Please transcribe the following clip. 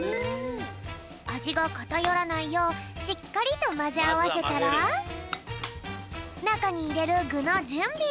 あじがかたよらないようしっかりとまぜあわせたらなかにいれるぐのじゅんび！